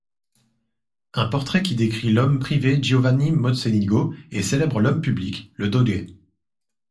Un portrait qui décrit l'homme privé Giovanni Mocenigo et célèbre l'homme public, le Doge.